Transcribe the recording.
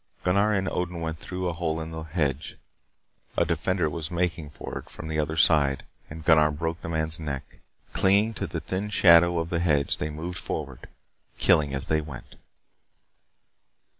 Gunnar and Odin went through a hole in the hedge. A defender was making for it from the other side, and Gunnar broke the man's neck. Clinging to the thin shadow of the hedge they moved forward, killing as they went.